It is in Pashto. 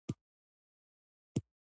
سمندر نه شتون د افغان کلتور سره تړاو لري.